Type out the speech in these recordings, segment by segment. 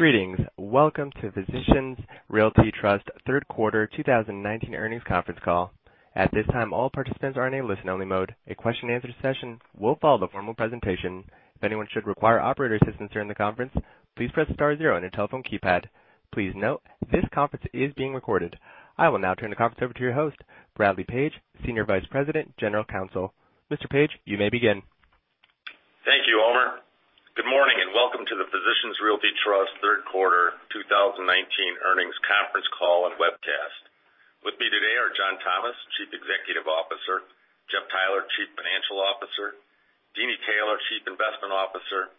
Greetings. Welcome to Physicians Realty Trust third quarter 2019 earnings conference call. At this time, all participants are in a listen-only mode. A question-and-answer session will follow the formal presentation. If anyone should require operator assistance during the conference, please press star zero on your telephone keypad. Please note, this conference is being recorded. I will now turn the conference over to your host, Bradley Page, Senior Vice President, General Counsel. Mr. Page, you may begin. Thank you, Homer. Good morning, and welcome to the Physicians Realty Trust third quarter 2019 earnings conference call and webcast. With me today are John Thomas, Chief Executive Officer, Jeff Theiler, Chief Financial Officer, Deeni Taylor, Chief Investment Officer,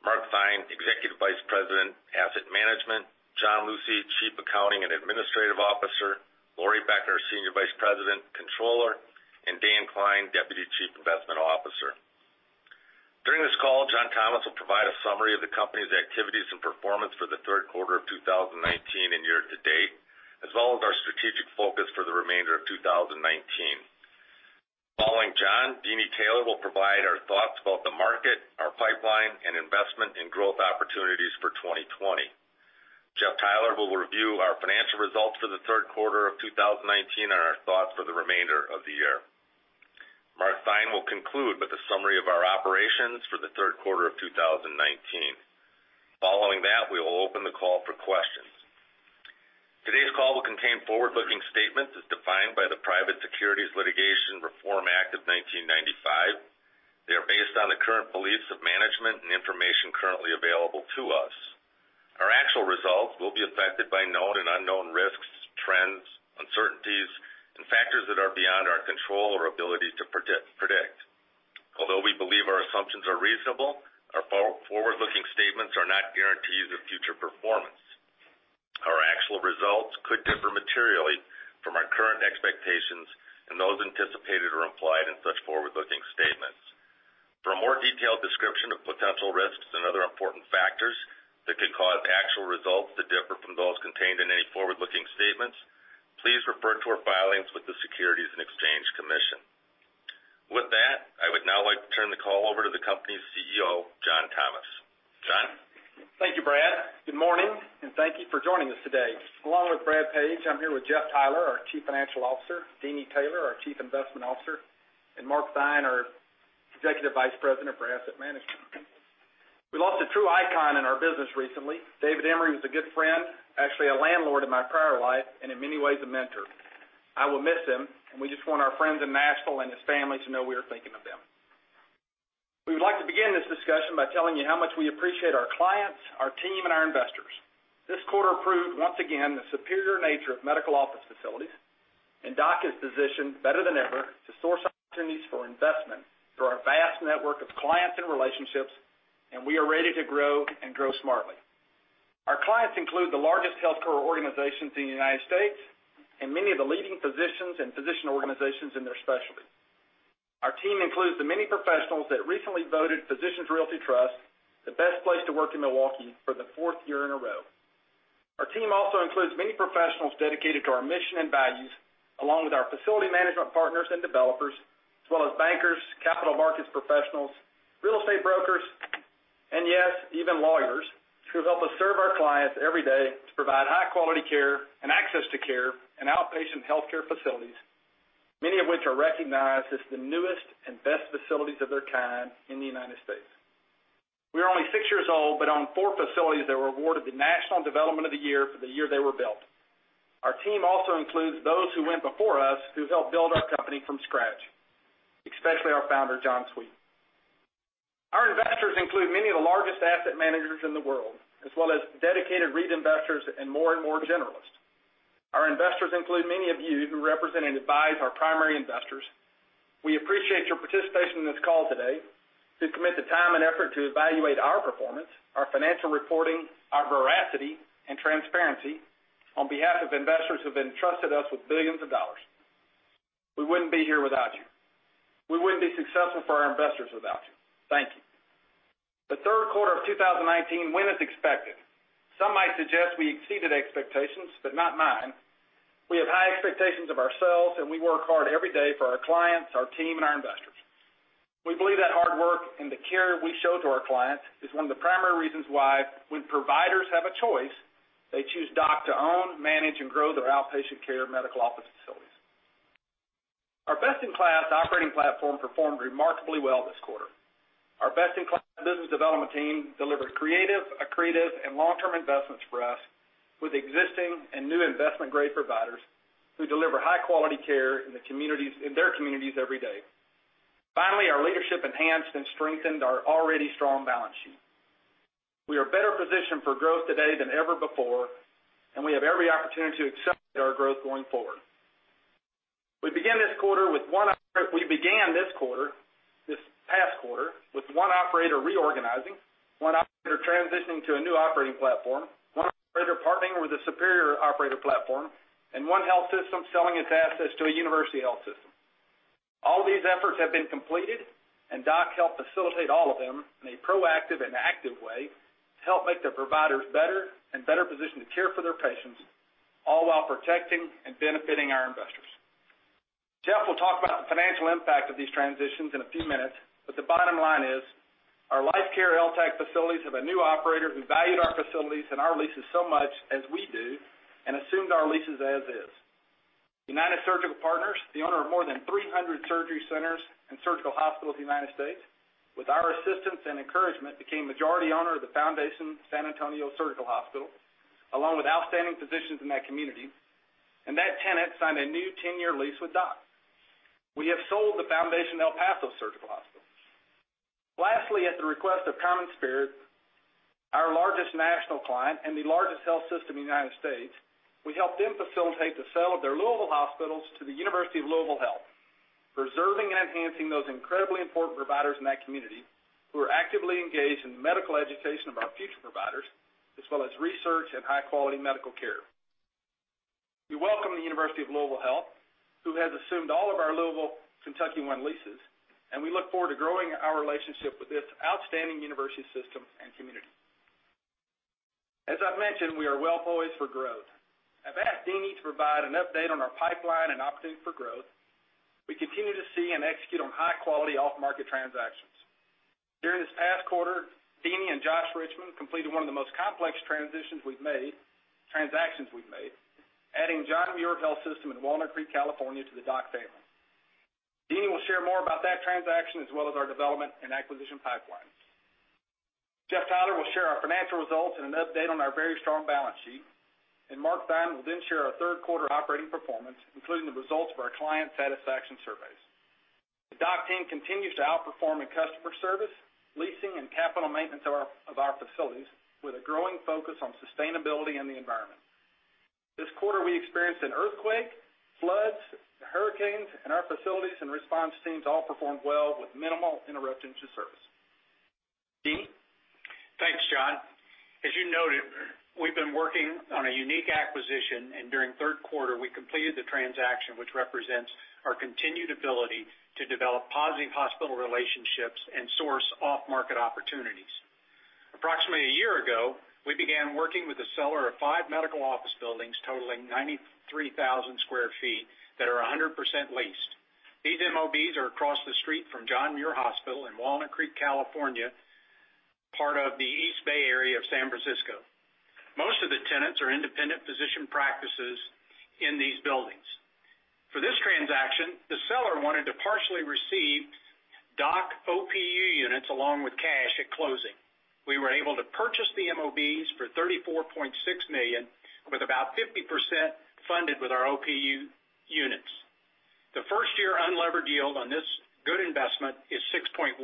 Mark Theine, Executive Vice President, Asset Management, John Lucey, Chief Accounting and Administrative Officer, Lori Becker, Senior Vice President, Controller, and Dan Klein, Deputy Chief Investment Officer. During this call, John Thomas will provide a summary of the company's activities and performance for the third quarter of 2019 and year to date, as well as our strategic focus for the remainder of 2019. Following John, Deeni Taylor will provide our thoughts about the market, our pipeline, and investment in growth opportunities for 2020. Jeff Theiler will review our financial results for the third quarter of 2019 and our thoughts for the remainder of the year. Mark Theine will conclude with a summary of our operations for the third quarter of 2019. Following that, we will open the call for questions. Today's call will contain forward-looking statements as defined by the Private Securities Litigation Reform Act of 1995. They are based on the current beliefs of management and information currently available to us. Our actual results will be affected by known and unknown risks, trends, uncertainties, and factors that are beyond our control or ability to predict. Although we believe our assumptions are reasonable, our forward-looking statements are not guarantees of future performance. Our actual results could differ materially from our current expectations and those anticipated or implied in such forward-looking statements. For a more detailed description of potential risks and other important factors that could cause actual results to differ from those contained in any forward-looking statements, please refer to our filings with the Securities and Exchange Commission. With that, I would now like to turn the call over to the company's CEO, John Thomas. John? Thank you, Brad. Good morning, thank you for joining us today. Along with Brad Page, I'm here with Jeff Theiler, our Chief Financial Officer, Deeni Taylor, our Chief Investment Officer, and Mark Theine, our Executive Vice President for Asset Management. We lost a true icon in our business recently. David Emery was a good friend, actually a landlord in my prior life, and in many ways, a mentor. I will miss him, and we just want our friends in Nashville and his family to know we are thinking of them. We would like to begin this discussion by telling you how much we appreciate our clients, our team, and our investors. This quarter proved, once again, the superior nature of medical office facilities, and DOC is positioned better than ever to source opportunities for investment through our vast network of clients and relationships, and we are ready to grow and grow smartly. Our clients include the largest healthcare organizations in the United States and many of the leading physicians and physician organizations in their specialty. Our team includes the many professionals that recently voted Physicians Realty Trust the best place to work in Milwaukee for the fourth year in a row. Our team also includes many professionals dedicated to our mission and values, along with our facility management partners and developers, as well as bankers, capital markets professionals, real estate brokers, and yes, even lawyers, who help us serve our clients every day to provide high-quality care and access to care in outpatient healthcare facilities, many of which are recognized as the newest and best facilities of their kind in the United States. We are only six years old, but own four facilities that were awarded the National Development of the Year for the year they were built. Our team also includes those who went before us, who helped build our company from scratch, especially our founder, John Sweet. Our investors include many of the largest asset managers in the world, as well as dedicated REIT investors and more and more generalists. Our investors include many of you who represent and advise our primary investors. We appreciate your participation in this call today, who commit the time and effort to evaluate our performance, our financial reporting, our veracity, and transparency on behalf of investors who have entrusted us with billions of dollars. We wouldn't be here without you. We wouldn't be successful for our investors without you. Thank you. The third quarter of 2019 went as expected. Some might suggest we exceeded expectations, but not mine. We have high expectations of ourselves, and we work hard every day for our clients, our team, and our investors. We believe that hard work and the care we show to our clients is one of the primary reasons why, when providers have a choice, they choose DOC to own, manage, and grow their outpatient care medical office facilities. Our best-in-class operating platform performed remarkably well this quarter. Our best-in-class business development team delivered creative, accretive, and long-term investments for us with existing and new investment-grade providers who deliver high-quality care in their communities every day. Finally, our leadership enhanced and strengthened our already strong balance sheet. We are better positioned for growth today than ever before, and we have every opportunity to accept our growth going forward. We began this past quarter with one operator reorganizing, one operator transitioning to a new operating platform, one operator partnering with a superior operator platform, and one health system selling its assets to a university health system. All these efforts have been completed, and DOC helped facilitate all of them in a proactive and active way to help make their providers better and better positioned to care for their patients, all while protecting and benefiting our investors. Jeff will talk about the financial impact of these transitions in a few minutes, but the bottom line is, our LifeCare LTAC facilities have a new operator who valued our facilities and our leases so much as we do and assumed our leases as is. United Surgical Partners, the owner of more than 300 surgery centers and surgical hospitals in the United States, with our assistance and encouragement, became majority owner of the Foundation Surgical Hospital of San Antonio, along with outstanding physicians in that community, and that tenant signed a new 10-year lease with DOC. We have sold the Foundation Surgical Hospital of El Paso. Lastly, at the request of CommonSpirit, our largest national client and the largest health system in the United States, we helped them facilitate the sale of their Louisville hospitals to the University of Louisville Health, preserving and enhancing those incredibly important providers in that community who are actively engaged in the medical education of our future providers, as well as research and high-quality medical care. We welcome the University of Louisville Health, who has assumed all of our Louisville, KentuckyOne leases, we look forward to growing our relationship with this outstanding university system and community. As I've mentioned, we are well poised for growth. I've asked Deeni to provide an update on our pipeline and opportunity for growth. We continue to see and execute on high-quality off-market transactions. During this past quarter, Deeni and Josh Richmond completed one of the most complex transactions we've made, adding John Muir Health in Walnut Creek, California, to the DOC family. Deeni will share more about that transaction, as well as our development and acquisition pipeline. Jeff Theiler will share our financial results and an update on our very strong balance sheet, and Mark Theine will then share our third quarter operating performance, including the results of our client satisfaction surveys. The DOC team continues to outperform in customer service, leasing, and capital maintenance of our facilities, with a growing focus on sustainability and the environment. This quarter, we experienced an earthquake, floods, hurricanes, and our facilities and response teams all performed well with minimal interruption to service. Deeni? Thanks, John. As you noted, we've been working on a unique acquisition. During the third quarter, we completed the transaction, which represents our continued ability to develop positive hospital relationships and source off-market opportunities. Approximately a year ago, we began working with the seller of five medical office buildings totaling 93,000 sq ft that are 100% leased. These MOBs are across the street from John Muir Medical Center in Walnut Creek, California, part of the East Bay area of San Francisco. Most of the tenants are independent physician practices in these buildings. For this transaction, the seller wanted to partially receive DOC OP Units along with cash at closing. We were able to purchase the MOBs for $34.6 million, with about 50% funded with our OP Units. The first-year unlevered yield on this good investment is 6.1%.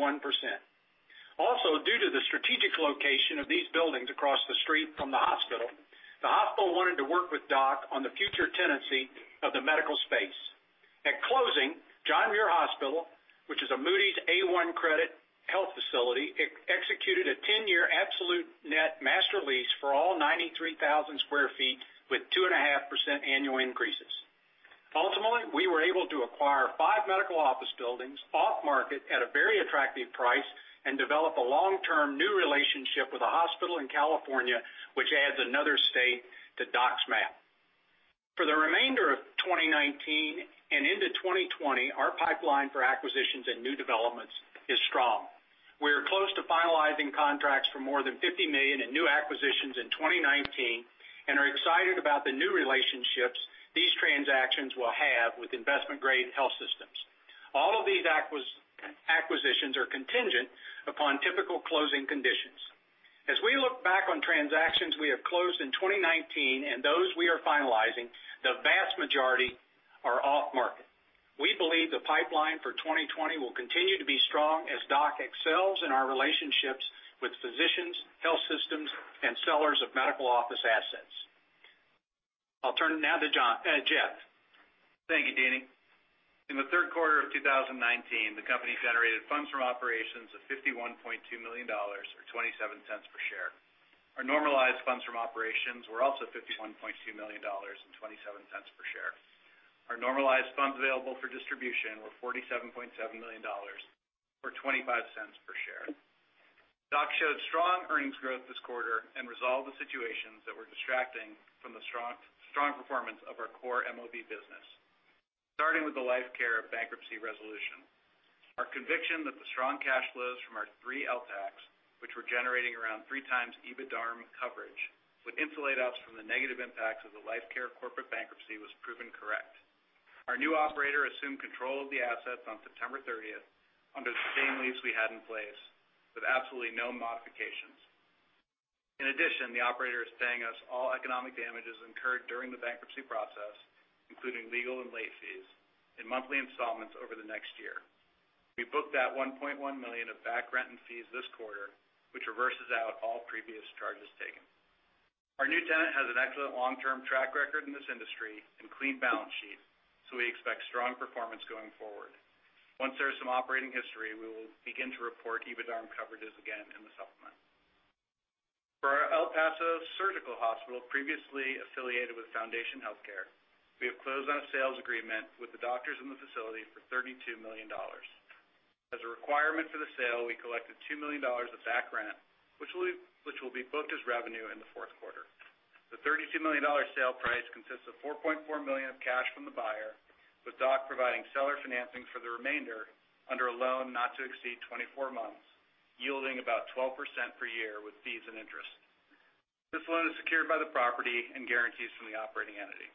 Due to the strategic location of these buildings across the street from the hospital, the hospital wanted to work with DOC on the future tenancy of the medical space. At closing, John Muir Medical Center, which is a Moody's A1 credit health facility, executed a 10-year absolute net master lease for all 93,000 sq ft with 2.5% annual increases. Ultimately, we were able to acquire five medical office buildings off-market at a very attractive price and develop a long-term new relationship with a hospital in California, which adds another state to DOC's map. For the remainder of 2019 and into 2020, our pipeline for acquisitions and new developments is strong. We are close to finalizing contracts for more than $50 million in new acquisitions in 2019 and are excited about the new relationships these transactions will have with investment-grade health systems. All of these acquisitions are contingent upon typical closing conditions. As we look back on transactions we have closed in 2019 and those we are finalizing, the vast majority are off-market. We believe the pipeline for 2020 will continue to be strong as DOC excels in our relationships with physicians, health systems, and sellers of medical office assets. I'll turn it now to Jeff. Thank you, Deeni. In the third quarter of 2019, the company generated Funds from Operations of $51.2 million, or $0.27 per share. Our Normalized Funds from Operations were also $51.2 million and $0.27 per share. Our Normalized Funds Available for Distribution were $47.7 million, or $0.25 per share. DOC showed strong earnings growth this quarter and resolved the situations that were distracting from the strong performance of our core MOB business. Starting with the LifeCare bankruptcy resolution, our conviction that the strong cash flows from our three LTACs, which were generating around 3 times EBITDARM coverage, would insulate us from the negative impacts of the LifeCare corporate bankruptcy was proven correct. Our new operator assumed control of the assets on September 30th under the same lease we had in place, with absolutely no modifications. In addition, the operator is paying us all economic damages incurred during the bankruptcy process, including legal and late fees, in monthly installments over the next year. We booked that $1.1 million of back rent and fees this quarter, which reverses out all previous charges taken. Our new tenant has an excellent long-term track record in this industry and clean balance sheet, so we expect strong performance going forward. Once there's some operating history, we will begin to report EBITDARM coverages again in the supplement. For our El Paso Surgical Hospital, previously affiliated with Foundation HealthCare, we have closed on a sales agreement with the doctors in the facility for $32 million. As a requirement for the sale, we collected $2 million of back rent, which will be booked as revenue in the fourth quarter. The $32 million sale price consists of $4.4 million of cash from the buyer, with DOC providing seller financing for the remainder under a loan not to exceed 24 months, yielding about 12% per year with fees and interest. This loan is secured by the property and guarantees from the operating entity.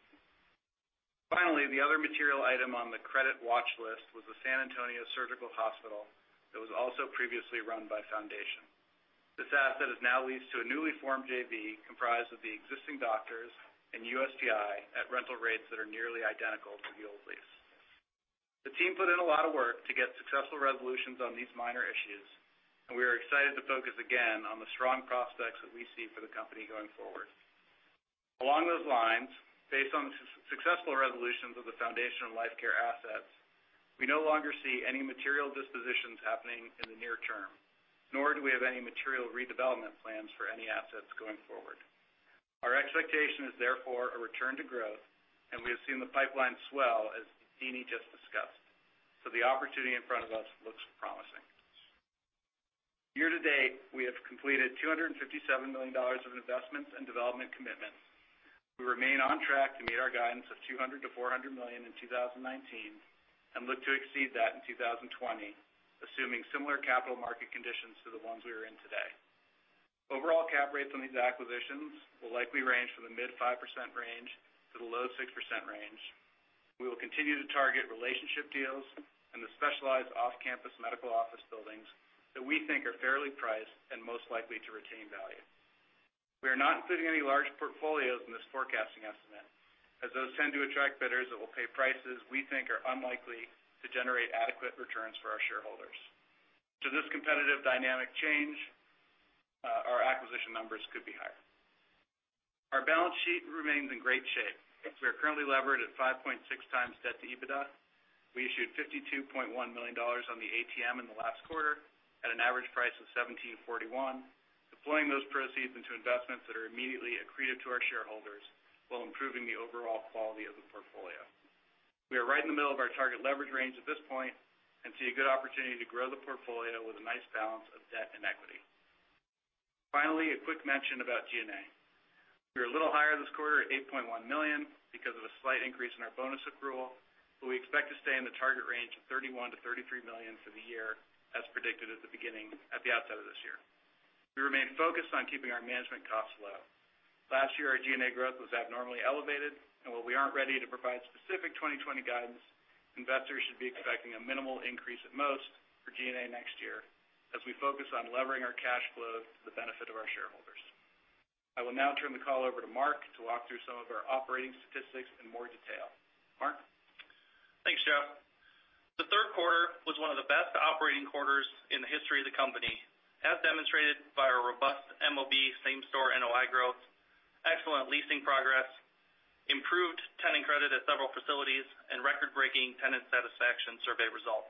Finally, the other material item on the credit watch list was the San Antonio Surgical Hospital that was also previously run by Foundation. This asset is now leased to a newly formed JV comprised of the existing doctors and USPI at rental rates that are nearly identical to the old lease. The team put in a lot of work to get successful resolutions on these minor issues, and we are excited to focus again on the strong prospects that we see for the company going forward. Along those lines, based on the successful resolutions of the Foundation HealthCare and LifeCare assets, we no longer see any material dispositions happening in the near term, nor do we have any material redevelopment plans for any assets going forward. Our expectation is therefore a return to growth, and we have seen the pipeline swell, as Deeni just discussed. The opportunity in front of us looks promising. Year-to-date, we have completed $257 million of investments and development commitments. We remain on track to meet our guidance of $200 million-$400 million in 2019 and look to exceed that in 2020, assuming similar capital market conditions to the ones we are in today. Overall cap rates on these acquisitions will likely range from the mid 5% range to the low 6% range. We will continue to target relationship deals and the specialized off-campus medical office buildings that we think are fairly priced and most likely to retain value. We are not including any large portfolios in this forecasting estimate, as those tend to attract bidders that will pay prices we think are unlikely to generate adequate returns for our shareholders. Should this competitive dynamic change, our acquisition numbers could be higher. Our balance sheet remains in great shape. We are currently levered at 5.6 times debt to EBITDA. We issued $52.1 million on the ATM in the last quarter at an average price of $17.41, deploying those proceeds into investments that are immediately accretive to our shareholders while improving the overall quality of the portfolio. We are right in the middle of our target leverage range at this point and see a good opportunity to grow the portfolio with a nice balance of debt and equity. A quick mention about G&A. We are a little higher this quarter at $8.1 million because of a slight increase in our bonus accrual, but we expect to stay in the target range of $31 million-$33 million for the year, as predicted at the outset of this year. We remain focused on keeping our management costs low. Last year, our G&A growth was abnormally elevated, and while we aren't ready to provide specific 2020 guidance, investors should be expecting a minimal increase at most for G&A next year as we focus on levering our cash flow to the benefit of our shareholders. I will now turn the call over to Mark to walk through some of our operating statistics in more detail. Mark? Thanks, Jeff. The third quarter was one of the best operating quarters in the history of the company, as demonstrated by our robust MOB same-store NOI growth, excellent leasing progress, improved tenant credit at several facilities, and record-breaking tenant satisfaction survey results.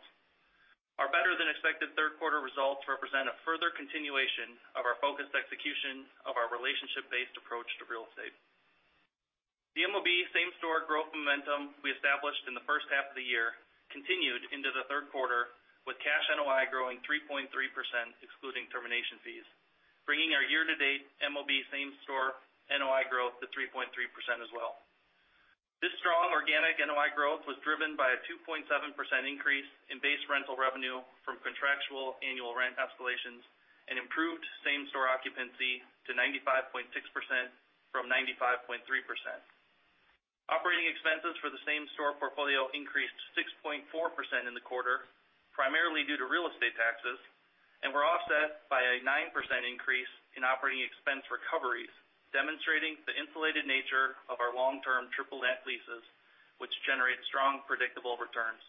Our better-than-expected third-quarter results represent a further continuation of our focused execution of our relationship-based approach to real estate. The MOB same-store growth momentum we established in the first half of the year continued into the third quarter, with cash NOI growing 3.3%, excluding termination fees, bringing our year-to-date MOB same-store NOI growth to 3.3% as well. This strong organic NOI growth was driven by a 2.7% increase in base rental revenue from contractual annual rent escalations and improved same-store occupancy to 95.6% from 95.3%. Operating expenses for the same-store portfolio increased 6.4% in the quarter, primarily due to real estate taxes, and were offset by a 9% increase in operating expense recoveries, demonstrating the insulated nature of our long-term triple net leases, which generate strong, predictable returns.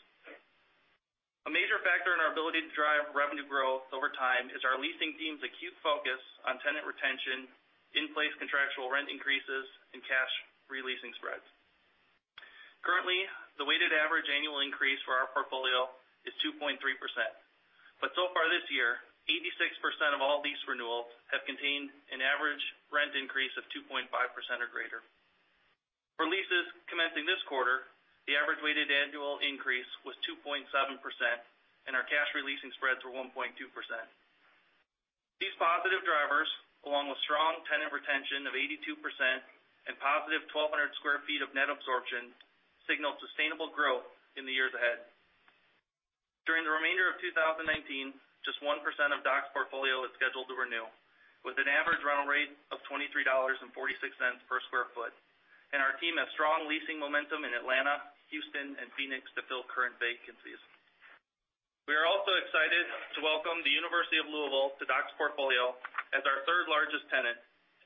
A major factor in our ability to drive revenue growth over time is our leasing team's acute focus on tenant retention, in-place contractual rent increases, and cash re-leasing spreads. Currently, the weighted average annual increase for our portfolio is 2.3%, but so far this year, 86% of all lease renewals have contained an average rent increase of 2.5% or greater. For leases commencing this quarter, the average weighted annual increase was 2.7%, and our cash re-leasing spreads were 1.2%. These positive drivers, along with strong tenant retention of 82% and positive 1,200 square feet of net absorption, signal sustainable growth in the years ahead. During the remainder of 2019, just 1% of DOC's portfolio is scheduled to renew, with an average rental rate of $23.46 per square foot. Our team has strong leasing momentum in Atlanta, Houston, and Phoenix to fill current vacancies. We are also excited to welcome the University of Louisville to DOC's portfolio as our third-largest tenant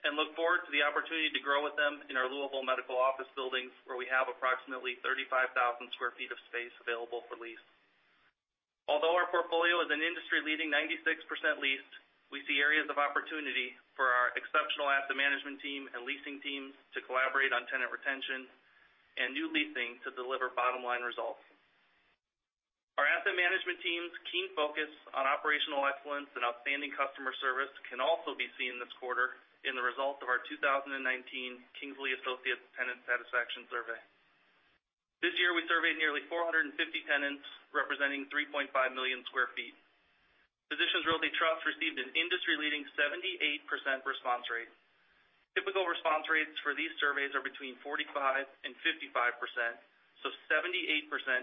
and look forward to the opportunity to grow with them in our Louisville medical office buildings, where we have approximately 35,000 square feet of space available for lease. Although our portfolio is an industry-leading 96% leased, we see areas of opportunity for our exceptional asset management team and leasing teams to collaborate on tenant retention and new leasing to deliver bottom-line results. Our asset management team's keen focus on operational excellence and outstanding customer service can also be seen this quarter in the results of our 2019 Kingsley Associates Tenant Satisfaction Survey. This year, we surveyed nearly 450 tenants, representing 3.5 million sq ft. Physicians Realty Trust received an industry-leading 78% response rate. Typical response rates for these surveys are between 45% and 55%, 78%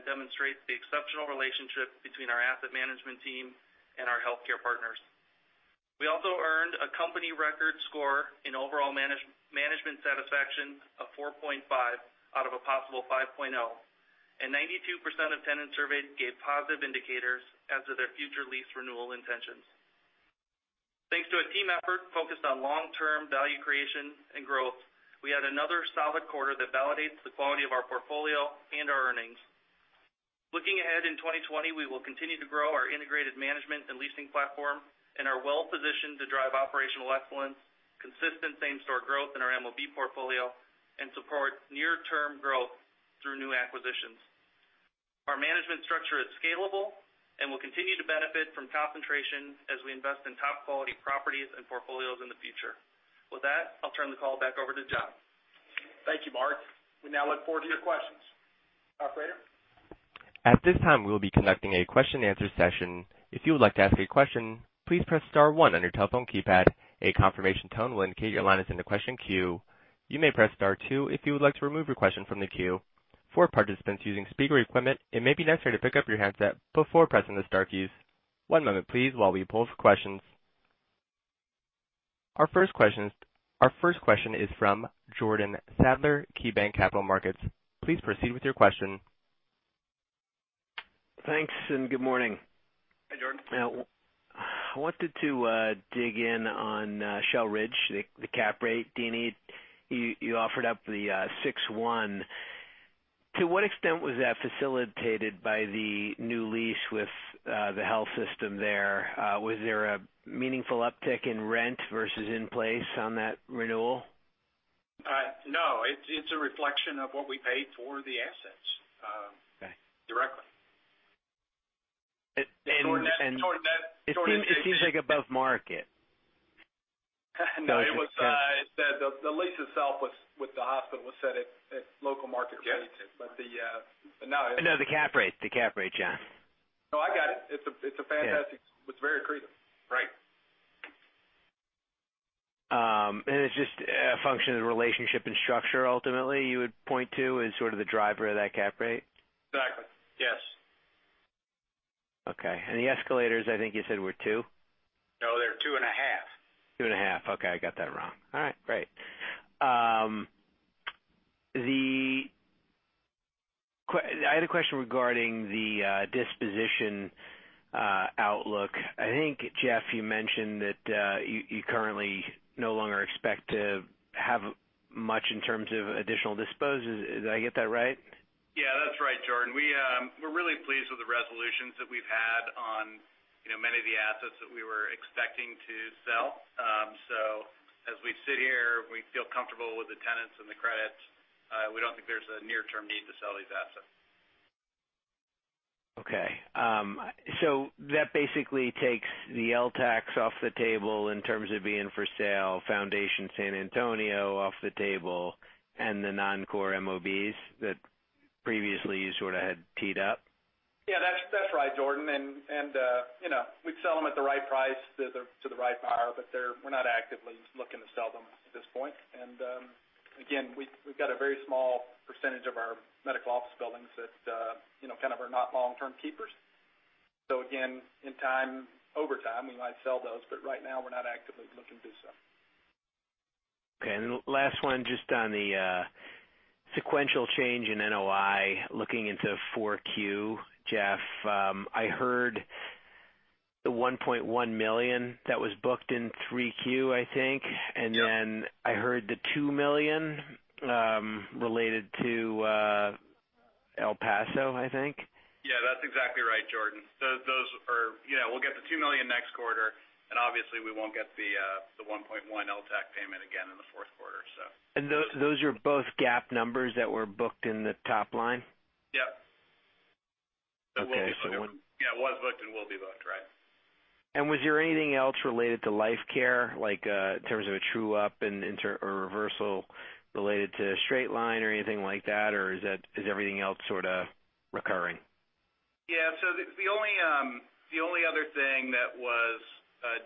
demonstrates the exceptional relationship between our asset management team and our healthcare partners. We also earned a company record score in overall management satisfaction of 4.5 out of a possible 5.0, 92% of tenants surveyed gave positive indicators as to their future lease renewal intentions. Thanks to a team effort focused on long-term value creation and growth, we had another solid quarter that validates the quality of our portfolio and our earnings. Looking ahead in 2020, we will continue to grow our integrated management and leasing platform and are well-positioned to drive operational excellence, consistent same-store growth in our MOB portfolio, and support near-term growth through new acquisitions. Our management structure is scalable and will continue to benefit from concentration as we invest in top-quality properties and portfolios in the future. With that, I'll turn the call back over to John. Thank you, Mark. We now look forward to your questions. Operator? At this time, we will be conducting a question and answer session. If you would like to ask a question, please press star one on your telephone keypad. A confirmation tone will indicate your line is in the question queue. You may press star two if you would like to remove your question from the queue. For participants using speaker equipment, it may be necessary to pick up your handset before pressing the star keys. One moment please, while we poll for questions. Our first question is from Jordan Sadler, KeyBanc Capital Markets. Please proceed with your question. Thanks, and good morning. Hi, Jordan. I wanted to dig in on Shell Ridge, the cap rate, Deeni. You offered up the 6.1%. To what extent was that facilitated by the new lease with the health system there? Was there a meaningful uptick in rent versus in place on that renewal? No. It's a reflection of what we paid for the assets. Okay directly. And- Sort of that- It seems above market. No. The lease itself with the hospital was set at local market rates. Yes. But the- No, the cap rate, John. No, I got it. It's fantastic. Yeah. It's very accretive. Right. It's just a function of the relationship and structure, ultimately, you would point to as sort of the driver of that cap rate? Exactly, yes. Okay. The escalators, I think you said were 2%? No, they're two and a half. Two and a half. Okay, I got that wrong. All right, great. I had a question regarding the disposition outlook. I think, Jeff, you mentioned that you currently no longer expect to have much in terms of additional disposes. Did I get that right? Yeah, that's right, Jordan. We're really pleased with the resolutions that we've had on many of the assets that we were expecting to sell. As we sit here, we feel comfortable with the tenants and the credits. We don't think there's a near-term need to sell these assets. That basically takes the LTACs off the table in terms of being for sale, Foundation San Antonio off the table, and the non-core MOBs that previously you sort of had teed up? Yeah, that's right, Jordan. We'd sell them at the right price to the right buyer, but we're not actively looking to sell them at this point. Again, we've got a very small percentage of our medical office buildings that kind of are not long-term keepers. Again, over time, we might sell those, but right now we're not actively looking to sell. Okay. Last one, just on the sequential change in NOI, looking into 4Q, Jeff, I heard the $1.1 million that was booked in 3Q, I think. Yep. I heard the $2 million related to El Paso, I think. Yeah, that's exactly right, Jordan. We'll get the $2 million next quarter, and obviously we won't get the $1.1 LTAC payment again in the fourth quarter. Those are both GAAP numbers that were booked in the top line? Yep. Okay. Yeah, was booked and will be booked, right. Was there anything else related to LifeCare, like in terms of a true-up or reversal related to straight line or anything like that, or is everything else sort of recurring? Yeah. The only other thing that was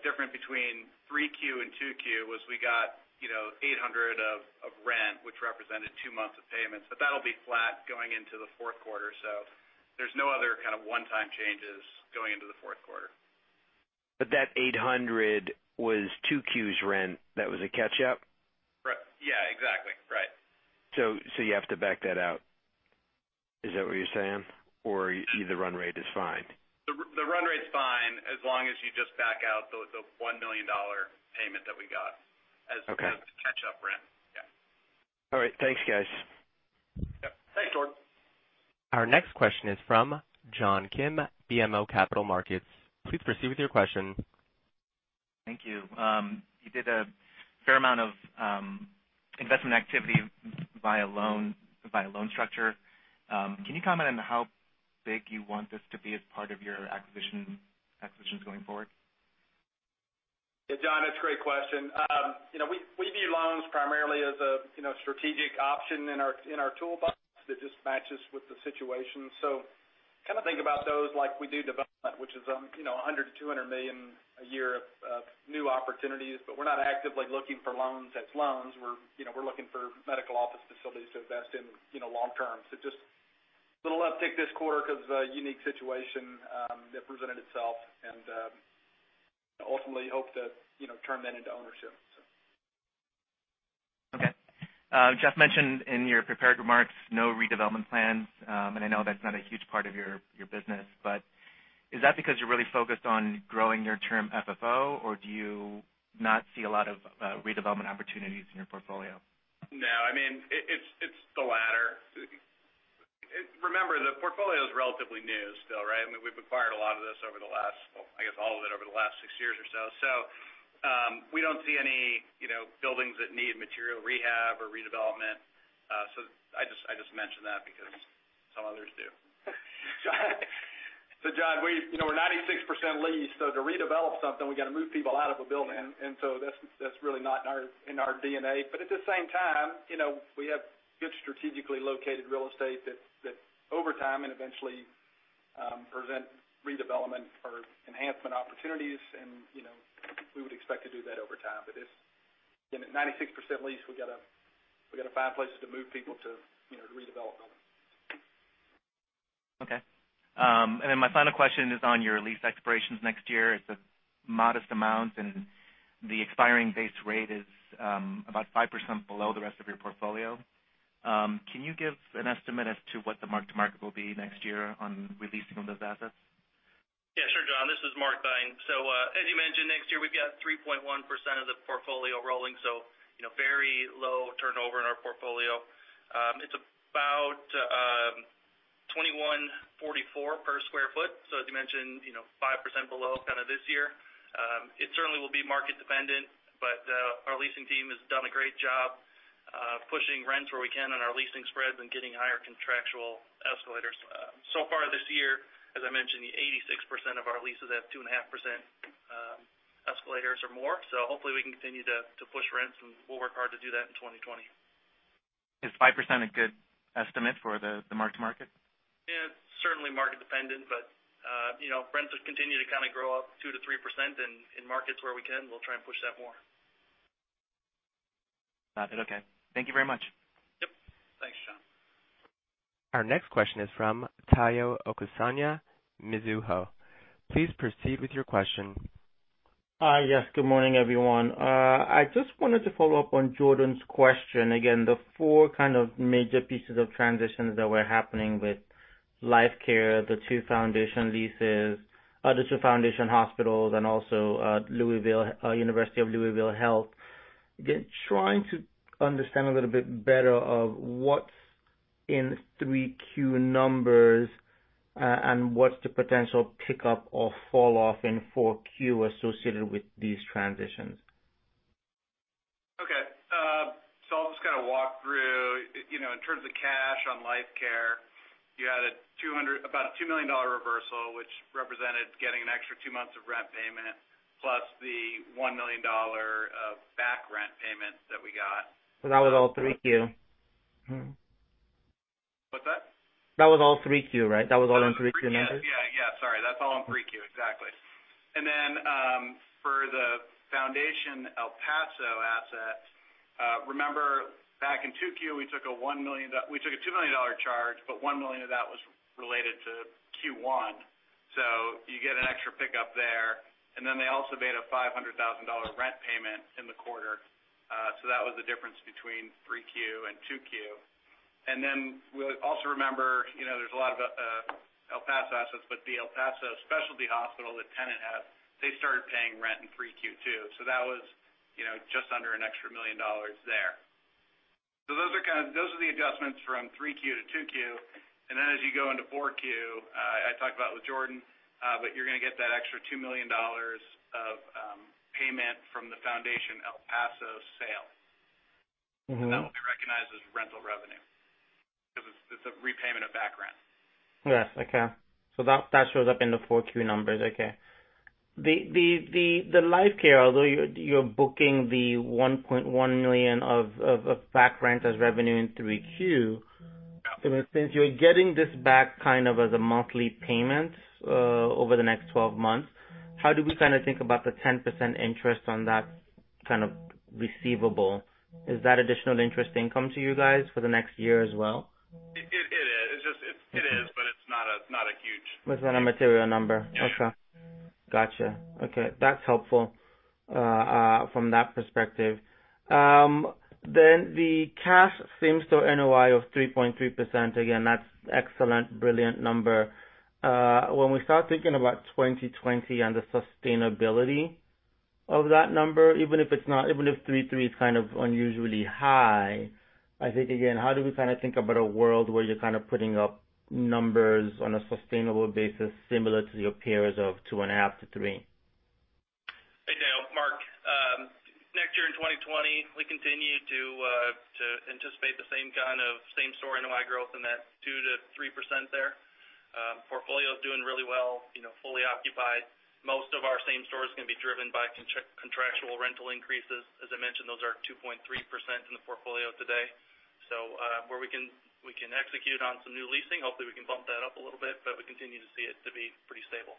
different between 3Q and 2Q was we got $800 of rent, which represented two months of payments. That'll be flat going into the fourth quarter. There's no other kind of one-time changes going into the fourth quarter. That $800 was 2Q's rent. That was a catch-up? Yeah, exactly. Right. You have to back that out. Is that what you're saying? Or the run rate is fine? The run rate's fine as long as you just back out the $1 million payment that we got. Okay as the catch-up rent. Yeah. All right. Thanks, guys. Yep. Thanks, Jordan. Our next question is from John Kim, BMO Capital Markets. Please proceed with your question. Thank you. You did a fair amount of investment activity via loan structure. Can you comment on how big you want this to be as part of your acquisitions going forward? Yeah, John, that's a great question. We view loans primarily as a strategic option in our toolbox that just matches with the situation. Kind of think about those like we do development, which is $100 million-$200 million a year of new opportunities. We're not actively looking for loans as loans. We're looking for medical office facilities to invest in long-term. Just a little uptick this quarter because of a unique situation that presented itself, and ultimately hope to turn that into ownership. Okay. Jeff mentioned in your prepared remarks, no redevelopment plans. I know that's not a huge part of your business, but is that because you're really focused on growing your term FFO or do you not see a lot of redevelopment opportunities in your portfolio? No, it's the latter. Remember, the portfolio is relatively new still, right? I mean, we've acquired a lot of this over the last, well, I guess, all of it over the last six years or so. We don't see any buildings that need material rehab or redevelopment. I just mentioned that because some others do. John, we're 96% leased, so to redevelop something, we've got to move people out of a building. That's really not in our DNA. At the same time, we have good strategically located real estate that over time and eventually present redevelopment or enhancement opportunities. We would expect to do that over time. It's, again, at 96% leased, we've got to find places to move people to redevelop them. Okay. My final question is on your lease expirations next year. It's a modest amount, and the expiring base rate is about 5% below the rest of your portfolio. Can you give an estimate as to what the mark-to-market will be next year on releasing those assets? Yeah, sure, John. This is Mark Theine. As you mentioned, next year we've got 3.1% of the portfolio rolling, so very low turnover in our portfolio. It's about $21.44 per sq ft. As you mentioned, 5% below kind of this year. It certainly will be market-dependent, but our leasing team has done a great job pushing rents where we can on our leasing spreads and getting higher contractual escalators. So far this year, as I mentioned, 86% of our leases have 2.5% escalators or more. Hopefully we can continue to push rents, and we'll work hard to do that in 2020. Is 5% a good estimate for the mark-to-market? Yeah, it's certainly market-dependent, but rents have continued to kind of grow up 2% to 3% in markets where we can. We'll try and push that more. Got it. Okay. Thank you very much. Yep. Thanks, John. Our next question is from Tayo Okusanya, Mizuho. Please proceed with your question. Hi. Yes, good morning, everyone. I just wanted to follow up on Jordan's question. Again, the four kind of major pieces of transitions that were happening with LifeCare, the two Foundation leases, the two Foundation hospitals, and also UofL Health. Again, trying to understand a little bit better of what's in 3Q numbers and what's the potential pickup or fall off in 4Q associated with these transitions? Okay. I'll just kind of walk through. In terms of cash on LifeCare, you had about a $2 million reversal, which represented getting an extra two months of rent payment, plus the $1 million of back rent payments that we got. That was all 3Q? Mm-hmm. What's that? That was all 3Q, right? That was all in 3Q, you mentioned? Yeah. Sorry. That's all in 3Q. Exactly. For the Foundation El Paso asset, remember back in 2Q, we took a $2 million charge, but $1 million of that was related to Q1. You get an extra pickup there. They also made a $500,000 rent payment in the quarter. That was the difference between 3Q and 2Q. We also remember there's a lot of El Paso assets, but the El Paso specialty hospital that Tenet has, they started paying rent in 3Q, too. That was just under an extra $1 million there. Those are the adjustments from 3Q to 2Q. As you go into 4Q, I talked about with Jordan, but you're gonna get that extra $2 million of payment from the Foundation El Paso sale. That will be recognized as rental revenue because it's a repayment of back rent. Yes. Okay. That shows up in the 4Q numbers. Okay. The LifeCare, although you're booking the $1.1 million of back rent as revenue in 3Q, since you're getting this back kind of as a monthly payment over the next 12 months, how do we kind of think about the 10% interest on that kind of receivable? Is that additional interest income to you guys for the next year as well? It is. It is, but it's not a huge. It's not a material number. No. Okay. Got you. Okay, that's helpful from that perspective. The cash same-store NOI of 3.3%, again, that's excellent, brilliant number. When we start thinking about 2020 and the sustainability of that number, even if 3.3% is kind of unusually high, I think again, how do we kind of think about a world where you're kind of putting up numbers on a sustainable basis similar to your peers of 2.5%-3%? Hey, Tayo. Mark. 2020, we continue to anticipate the same kind of same-store NOI growth in that 2%-3% there. Portfolio's doing really well, fully occupied. Most of our same stores are going to be driven by contractual rental increases. As I mentioned, those are 2.3% in the portfolio today. Where we can execute on some new leasing, hopefully, we can bump that up a little bit, but we continue to see it to be pretty stable.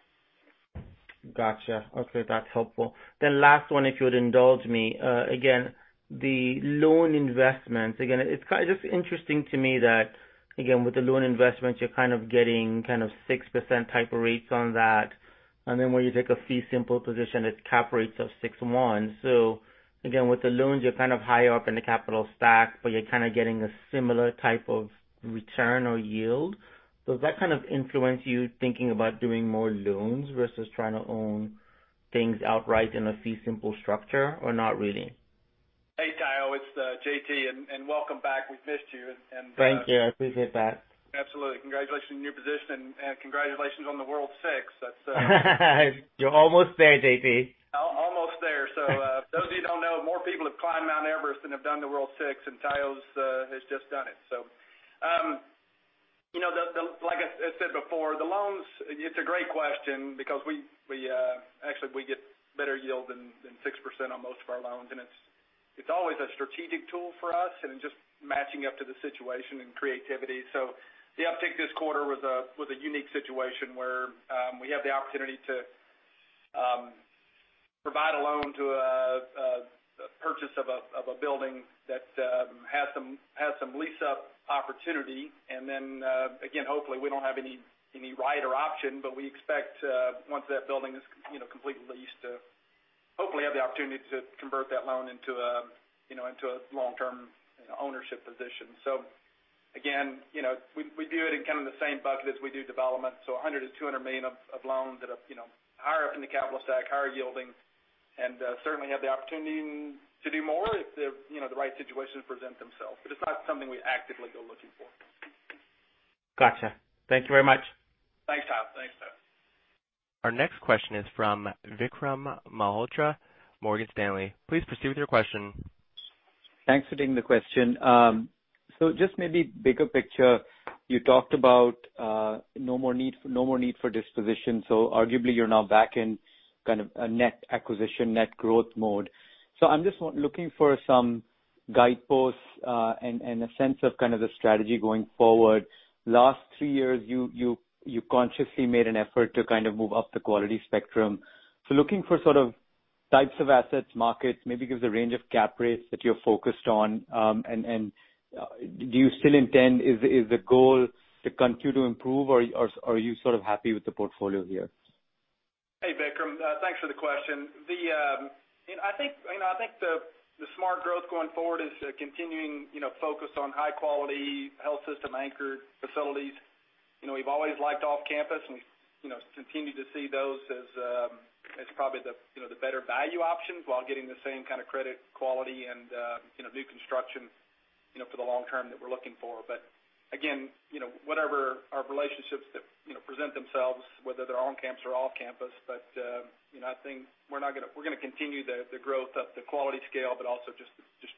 Got you. Okay, that's helpful. Last one, if you'd indulge me. Again, the loan investments. Again, it's kind of just interesting to me that, again, with the loan investments, you're kind of getting 6% type rates on that. When you take a fee simple position, it cap rates of 6.1. Again, with the loans, you're kind of higher up in the capital stack, but you're kind of getting a similar type of return or yield. Does that kind of influence you thinking about doing more loans versus trying to own things outright in a fee simple structure, or not really? Hey, Tayo. It's JT, and welcome back. We've missed you. Thank you. I appreciate that. Absolutely. Congratulations on your new position, and congratulations on the WorldSix. That's. You're almost there, JT. Almost there. Those of you who don't know, more people have climbed Mount Everest than have done the WorldSix, and Tayo has just done it. Like I said before, the loans, it's a great question because, actually, we get better yield than 6% on most of our loans, and it's always a strategic tool for us, and just matching up to the situation and creativity. The uptick this quarter was a unique situation where we had the opportunity to provide a loan to a purchase of a building that has some lease-up opportunity, and then, again, hopefully, we don't have any right or option, but we expect once that building is completely leased, hopefully have the opportunity to convert that loan into a long-term ownership position. Again, we do it in kind of the same bucket as we do development. $100 million-$200 million of loans that are higher up in the capital stack, higher yielding, and certainly have the opportunity to do more if the right situations present themselves. But it's not something we actively go looking for. Got you. Thank you very much. Thanks, Tayo. Thanks. Our next question is from Vikram Malhotra, Morgan Stanley. Please proceed with your question. Thanks for taking the question. Just maybe bigger picture, you talked about no more need for disposition. Arguably, you're now back in kind of a net acquisition, net growth mode. I'm just looking for some guideposts and a sense of kind of the strategy going forward. Last three years, you consciously made an effort to kind of move up the quality spectrum. Looking for sort of types of assets, markets, maybe give us a range of cap rates that you're focused on. Do you still intend, is the goal to continue to improve, or are you sort of happy with the portfolio here? Hey, Vikram. Thanks for the question. I think the smart growth going forward is continuing focus on high-quality, health system-anchored facilities. We've always liked off-campus, and we continue to see those as probably the better value options while getting the same kind of credit quality and new construction for the long term that we're looking for. Again, whatever our relationships that present themselves, whether they're on-campus or off-campus, but I think we're going to continue the growth up the quality scale, but also just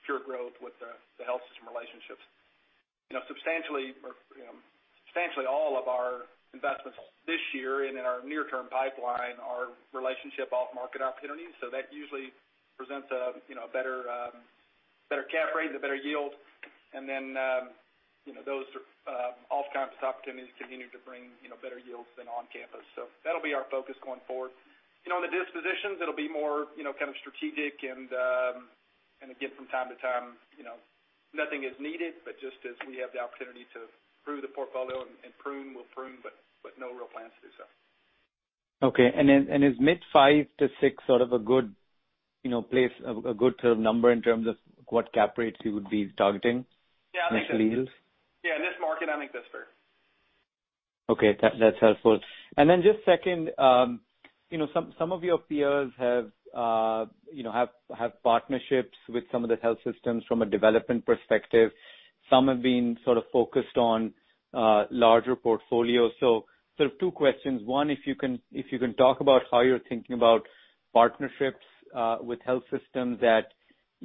pure growth with the health system relationships. Substantially all of our investments this year and in our near-term pipeline are relationship off-market opportunities. That usually presents a better cap rate and a better yield, and then those off-campus opportunities continue to bring better yields than on-campus. That'll be our focus going forward. The dispositions, it'll be more kind of strategic and again, from time to time, nothing is needed, but just as we have the opportunity to improve the portfolio and prune, we'll prune, but no real plans to do so. Okay. Is mid five to six sort of a good place, a good sort of number in terms of what cap rates you would be targeting? Yeah. -as yields? Yeah. In this market, I think that's fair. Okay. That's helpful. Just second, some of your peers have partnerships with some of the health systems from a development perspective. Some have been sort of focused on larger portfolios. Sort of two questions. One, if you can talk about how you're thinking about partnerships with health systems that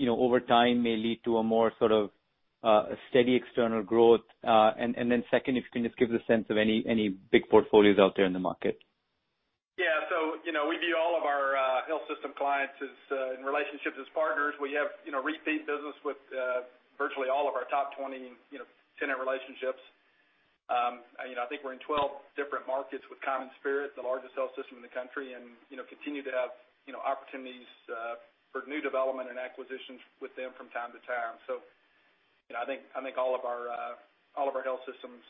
over time may lead to a more sort of steady external growth. Second, if you can just give the sense of any big portfolios out there in the market. Yeah. We view all of our health system clients in relationships as partners. We have repeat business with virtually all of our top 20 tenant relationships. I think we're in 12 different markets with CommonSpirit, the largest health system in the country, and continue to have opportunities for new development and acquisitions with them from time to time. I think all of our health systems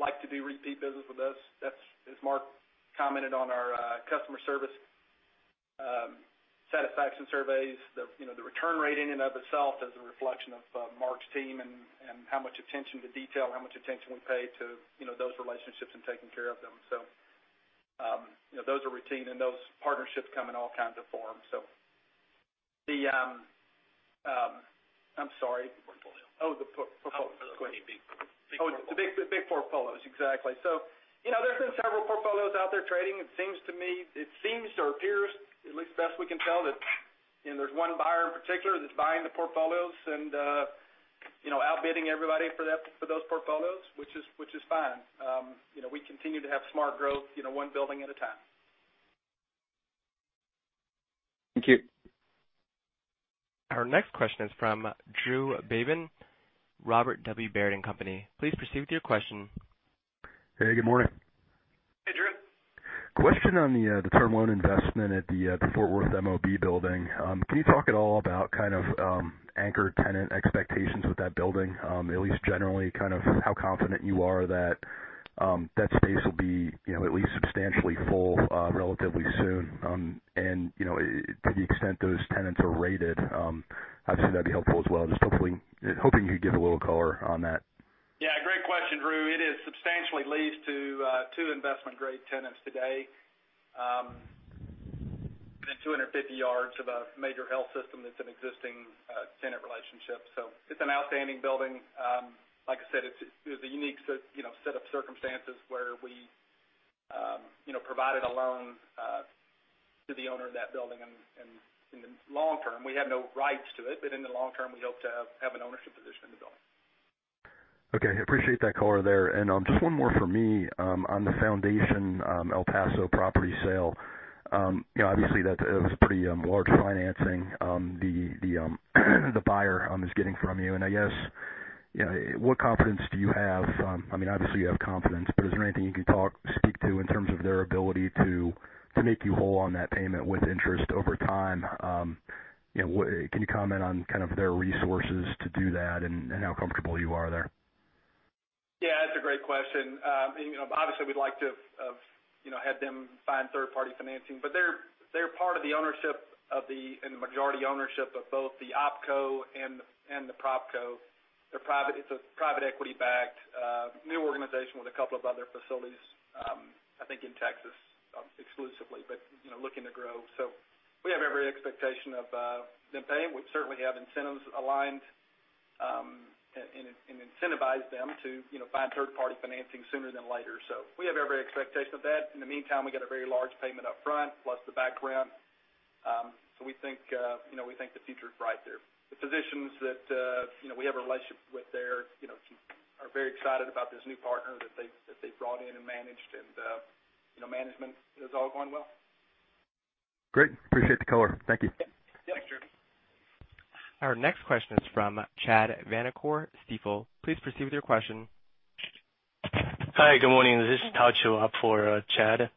like to do repeat business with us. As Mark commented on our customer service satisfaction surveys, the return rate in and of itself is a reflection of Mark's team and how much attention to detail, how much attention we pay to those relationships and taking care of them. Those are routine, and those partnerships come in all kinds of forms. It's the big portfolios. Exactly. There's been several portfolios out there trading. It seems to me, it seems or appears, at least the best we can tell, that there's one buyer in particular that's buying the portfolios and outbidding everybody for those portfolios, which is fine. We continue to have smart growth, one building at a time. Thank you. Our next question is from Drew Babin, Robert W. Baird & Company. Please proceed with your question. Hey, good morning. Hey, Drew. Question on the term loan investment at the Fort Worth MOB building. Can you talk at all about anchor tenant expectations with that building? At least generally, how confident you are that that space will be at least substantially full, relatively soon. To the extent those tenants are rated, I'd say that'd be helpful as well. Just hoping you'd give a little color on that. Great question, Drew. It is substantially leased to two investment-grade tenants today. Within 250 yards of a major health system, that's an existing tenant relationship. It's an outstanding building. Like I said, it was a unique set of circumstances where we provided a loan to the owner of that building. In the long term, we have no rights to it, but in the long term, we hope to have an ownership position in the building. Okay. Appreciate that color there. Just one more from me, on the Foundation El Paso property sale. Obviously, that was a pretty large financing the buyer is getting from you, and I guess, what confidence do you have? Obviously, you have confidence, is there anything you can speak to in terms of their ability to make you whole on that payment with interest over time? Can you comment on kind of their resources to do that and how comfortable you are there? Yeah, that's a great question. Obviously, we'd like to have had them find third-party financing, but they're part of the ownership of the-- and the majority ownership of both the OpCo and the PropCo. It's a private equity-backed new organization with a couple of other facilities, I think in Texas exclusively, but looking to grow. We have every expectation of them paying. We certainly have incentives aligned, and incentivize them to find third-party financing sooner than later. We have every expectation of that. In the meantime, we get a very large payment up front plus the back rent. We think the future's bright there. The physicians that we have a relationship with there are very excited about this new partner that they've brought in and managed. Management is all going well. Great. Appreciate the color. Thank you. Yep. Thanks, Drew. Our next question is from Chad Vanacore, Stifel. Please proceed with your question. Hi, good morning. This is Tao Qiu for Chad.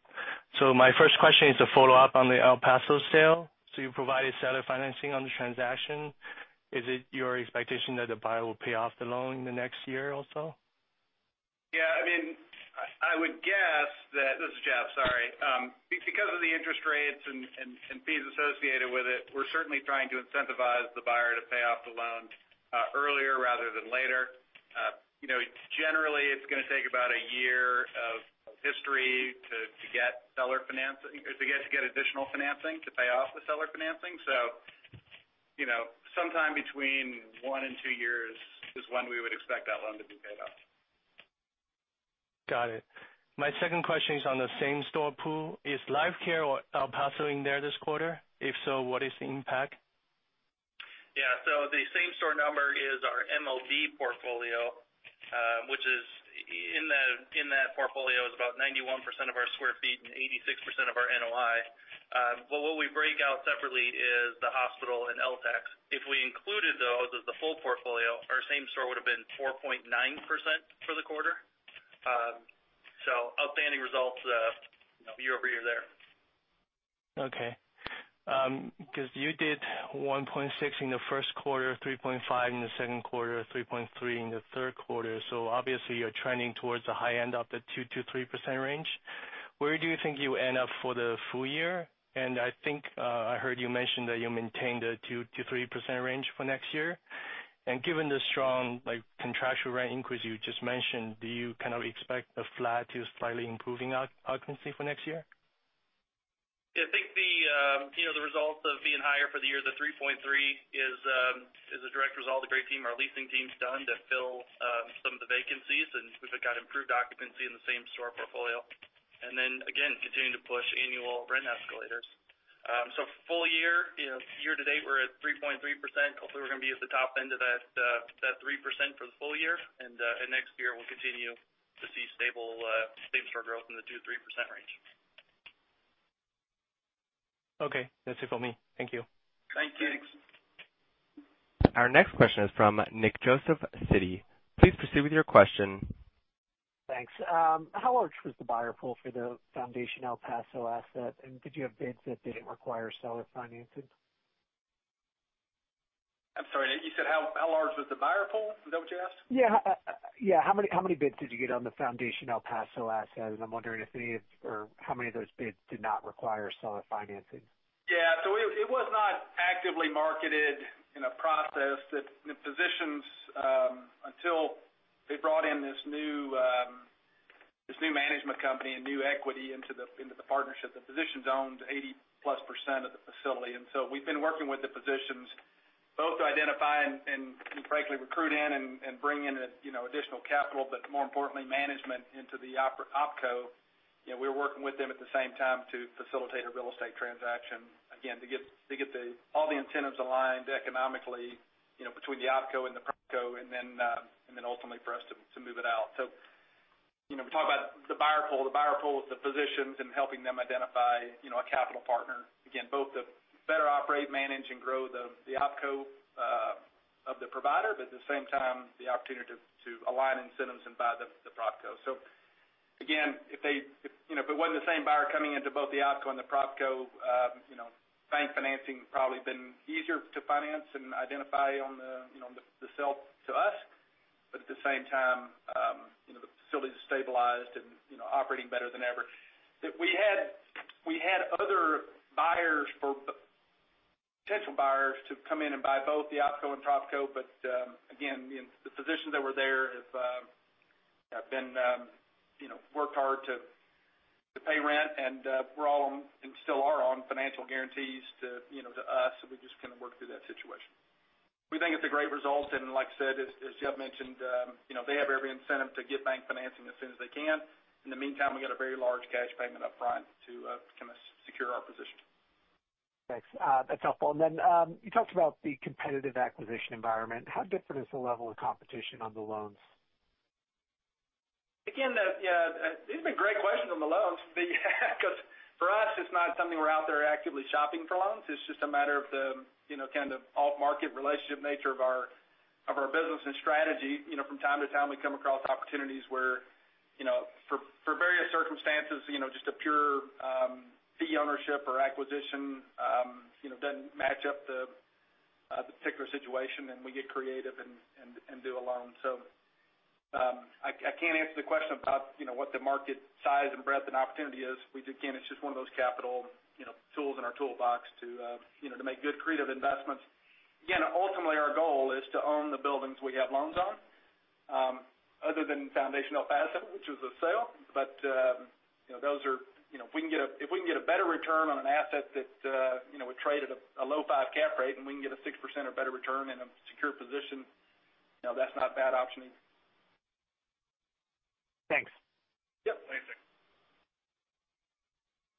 My first question is a follow-up on the El Paso sale. You provide a seller financing on the transaction. Is it your expectation that the buyer will pay off the loan in the next year or so? Yeah, I would guess that. This is Jeff, sorry. Because of the interest rates and fees associated with it, we're certainly trying to incentivize the buyer to pay off the loan earlier rather than later. Generally, it's gonna take about a year of history to get additional financing to pay off the seller financing. Sometime between one and two years is when we would expect that loan to be paid off. Got it. My second question is on the same-store pool. Is LifeCare or El Paso in there this quarter? If so, what is the impact? Yeah. The same-store number is our MOB portfolio, which is in that portfolio is about 91% of our sq ft and 86% of our NOI. What we break out separately is the hospital and LTAC. If we included those as the full portfolio, our same-store would've been 4.9% for the quarter. Outstanding results year-over-year there. Okay. Because you did 1.6 in the first quarter, 3.5 in the second quarter, 3.3 in the third quarter. Obviously you're trending towards the high end of the 2%-3% range. Where do you think you end up for the full year? I think I heard you mention that you maintained a 2%-3% range for next year. Given the strong contractual rent increase you just mentioned, do you kind of expect a flat to slightly improving occupancy for next year? I think the results of being higher for the year, the 3.3%, is a direct result of great team, our leasing team's done to fill some of the vacancies, and we've got improved occupancy in the same-store portfolio. Again, continuing to push annual rent escalators. Full year to date, we're at 3.3%. Hopefully, we're gonna be at the top end of that 3% for the full year. Next year, we'll continue to see stable store growth in the 2%-3% range. Okay, that's it for me. Thank you. Thank you. Our next question is from Nick Joseph, Citi. Please proceed with your question. Thanks. How large was the buyer pool for the Foundation El Paso asset? Did you have bids that didn't require seller financing? I'm sorry. You said how large was the buyer pool? Is that what you asked? Yeah. How many bids did you get on the Foundation El Paso asset? I'm wondering how many of those bids did not require seller financing? Yeah. It was not actively marketed in a process that the physicians, until they brought in this new the partnership, the physicians owned 80-plus % of the facility. We've been working with the physicians both to identify and frankly, recruit in and bring in additional capital, but more importantly, management into the OpCo. We're working with them at the same time to facilitate a real estate transaction. Again, to get all the incentives aligned economically between the OpCo and the PropCo, and then ultimately for us to move it out. We talk about the buyer pool. The buyer pool is the physicians and helping them identify a capital partner, again, both to better operate, manage, and grow the OpCo of the provider, but at the same time, the opportunity to align incentives and buy the PropCo. Again, if it wasn't the same buyer coming into both the OpCo and the PropCo, bank financing probably been easier to finance and identify on the sell to us. At the same time, the facility's stabilized and operating better than ever. We had other potential buyers to come in and buy both the OpCo and PropCo. Again, the physicians that were there have worked hard to pay rent, and were all on, and still are on, financial guarantees to us, so we just kind of worked through that situation. We think it's a great result, and like I said, as Jeff mentioned, they have every incentive to get bank financing as soon as they can. In the meantime, we got a very large cash payment up front to kind of secure our position. Thanks. That's helpful. Then, you talked about the competitive acquisition environment. How different is the level of competition on the loans? Again, these have been great questions on the loans, because for us, it's not something we're out there actively shopping for loans. It's just a matter of the off-market relationship nature of our business and strategy. From time to time, we come across opportunities where, for various circumstances, just a pure fee ownership or acquisition doesn't match up the particular situation, and we get creative and do a loan. I can't answer the question about what the market size and breadth and opportunity is. Again, it's just one of those capital tools in our toolbox to make good creative investments. Again, ultimately, our goal is to own the buildings we have loans on. Other than foundational asset, which was a sale. If we can get a better return on an asset that would trade at a low five cap rate, and we can get a 6% or better return and a secure position, that's not a bad option either. Thanks. Yep. Thanks.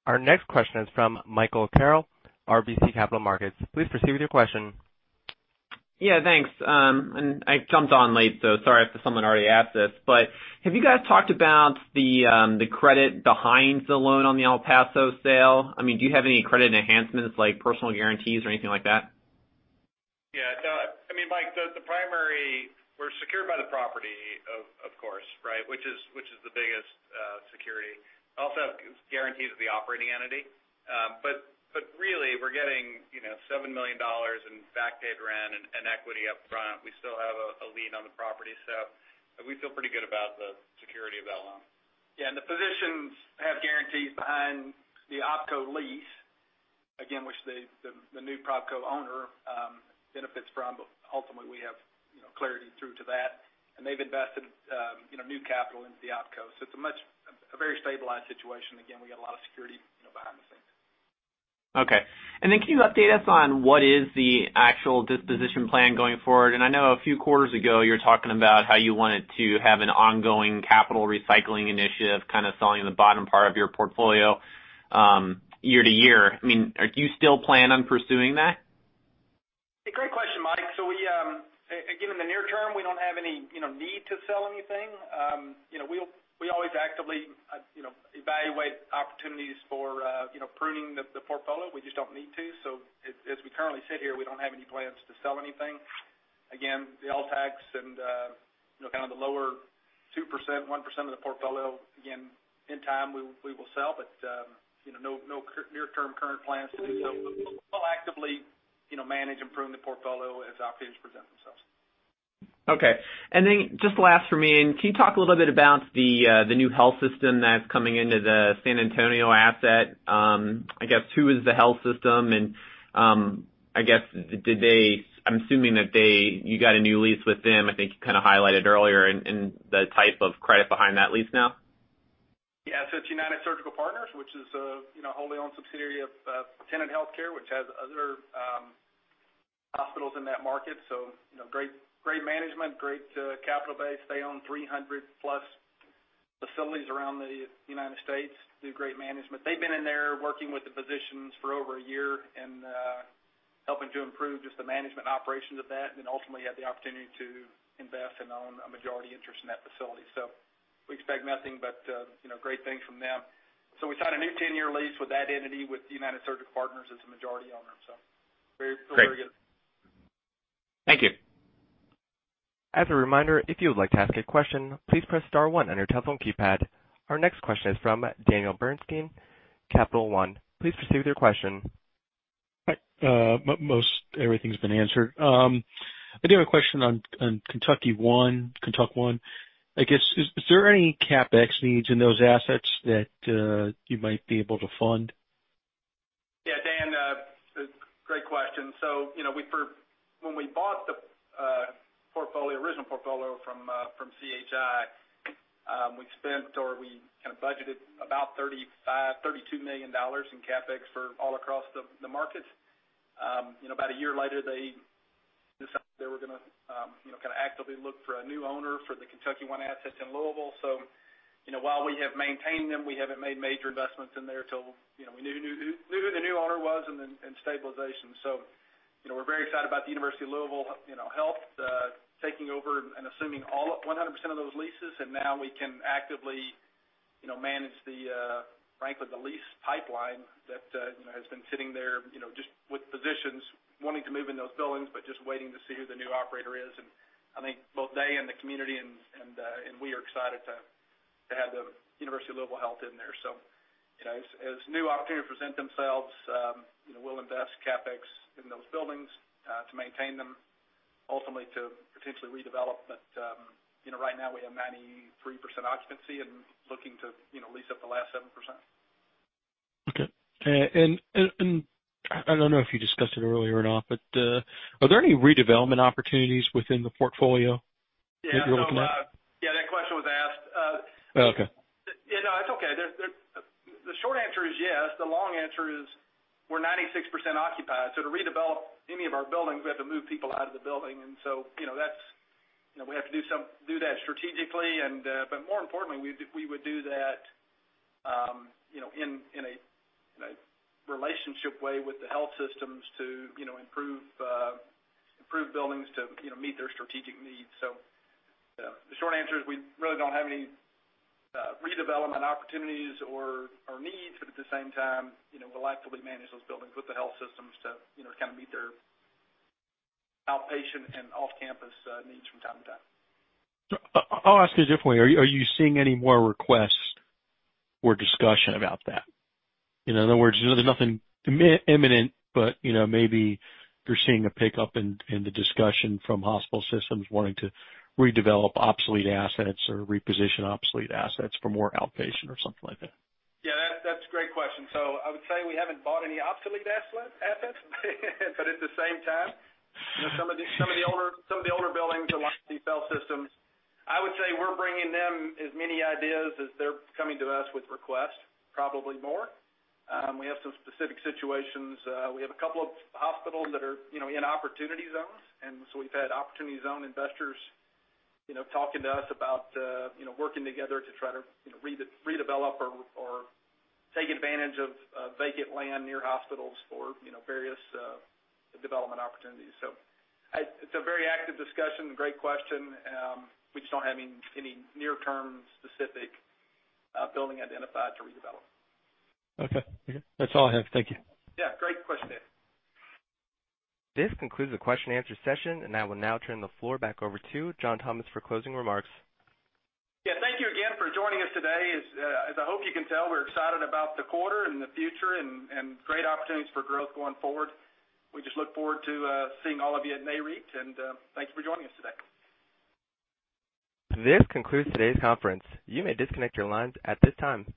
Our next question is from Michael Carroll, RBC Capital Markets. Please proceed with your question. Yeah, thanks. I jumped on late, so sorry if someone already asked this. Have you guys talked about the credit behind the loan on the El Paso sale? Do you have any credit enhancements, like personal guarantees or anything like that? Mike, we're secured by the property, of course, which is the biggest security. Also have guarantees of the operating entity. Really, we're getting $7 million in back paid rent and equity up front. We still have a lien on the property. We feel pretty good about the security of that loan. Yeah, the physicians have guarantees behind the OpCo lease. Again, which the new PropCo owner benefits from. Ultimately, we have clarity through to that. They've invested new capital into the OpCo. It's a very stabilized situation. Again, we got a lot of security behind the scenes. Okay. Can you update us on what is the actual disposition plan going forward? I know a few quarters ago, you were talking about how you wanted to have an ongoing capital recycling initiative, kind of selling the bottom part of your portfolio year to year. Do you still plan on pursuing that? A great question, Mike. Again, in the near term, we don't have any need to sell anything. We always actively evaluate opportunities for pruning the portfolio. We just don't need to. As we currently sit here, we don't have any plans to sell anything. Again, the LTACs and kind of the lower 2%, 1% of the portfolio, again, in time, we will sell, but no near-term current plans to do so. We'll actively manage and prune the portfolio as opportunities present themselves. Okay. Just last from me, and can you talk a little bit about the new health system that's coming into the San Antonio asset? Who is the health system, and I'm assuming that you got a new lease with them, I think you kind of highlighted earlier, and the type of credit behind that lease now? Yeah. It's United Surgical Partners, which is a wholly owned subsidiary of Tenet Healthcare, which has other hospitals in that market. Great management, great capital base. They own 300-plus facilities around the U.S., do great management. They've been in there working with the physicians for over a year and helping to improve just the management and operations of that, and then ultimately had the opportunity to invest and own a majority interest in that facility. We expect nothing but great things from them. We signed a new 10-year lease with that entity, with United Surgical Partners as the majority owner. Feel very good. Great. Thank you. As a reminder, if you would like to ask a question, please press star one on your telephone keypad. Our next question is from Daniel Bernstein, Capital One. Please proceed with your question. Most everything's been answered. I do have a question on KentuckyOne Health. I guess, is there any CapEx needs in those assets that you might be able to fund? When we bought the original portfolio from CHI, we spent, or we kind of budgeted about $32 million in CapEx for all across the markets. About a year later, they decided they were going to actively look for a new owner for the KentuckyOne Health assets in Louisville. While we have maintained them, we haven't made major investments in there till we knew who the new owner was and then stabilization. We're very excited about the University of Louisville Health taking over and assuming all 100% of those leases, and now we can actively manage the lease pipeline that has been sitting there, just with physicians wanting to move in those buildings, but just waiting to see who the new operator is. I think both they and the community, and we are excited to have the University of Louisville Health in there. As new opportunities present themselves, we'll invest CapEx in those buildings, to maintain them, ultimately to potentially redevelop. Right now we have 93% occupancy and looking to lease up the last 7%. Okay. I don't know if you discussed it earlier or not, but are there any redevelopment opportunities within the portfolio that you're looking at? Yeah. That question was asked. Oh, okay. Yeah. No, that's okay. The short answer is yes. The long answer is we're 96% occupied, so to redevelop any of our buildings, we have to move people out of the building. We have to do that strategically, but more importantly, we would do that in a relationship way with the health systems to improve buildings to meet their strategic needs. The short answer is, we really don't have any redevelopment opportunities or needs, but at the same time, we'll actively manage those buildings with the health systems to kind of meet their outpatient and off-campus needs from time to time. I'll ask it a different way. Are you seeing any more requests or discussion about that? In other words, there's nothing imminent, but maybe you're seeing a pickup in the discussion from hospital systems wanting to redevelop obsolete assets or reposition obsolete assets for more outpatient or something like that. Yeah, that's a great question. I would say we haven't bought any obsolete assets but at the same time some of the older buildings belong to these health systems. I would say we're bringing them as many ideas as they're coming to us with requests, probably more. We have some specific situations. We have a couple of hospitals that are in opportunity zones, we've had opportunity zone investors talking to us about working together to try to redevelop or take advantage of vacant land near hospitals for various development opportunities. It's a very active discussion. Great question. We just don't have any near-term specific building identified to redevelop. Okay. That's all I have. Thank you. Yeah. Great question, Dan. This concludes the question and answer session, and I will now turn the floor back over to John Thomas for closing remarks. Yeah. Thank you again for joining us today. As I hope you can tell, we're excited about the quarter and the future and great opportunities for growth going forward. We just look forward to seeing all of you at NAREIT, and thanks for joining us today. This concludes today's conference. You may disconnect your lines at this time.